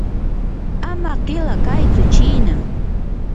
ama qila kaytsu chiina.